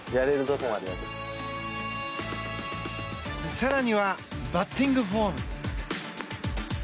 更にはバッティングフォーム。